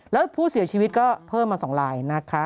แล้วผู้เสียชีวิตก็เพิ่มมา๒ลายนะคะ